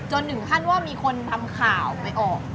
ถึงขั้นว่ามีคนทำข่าวไปออก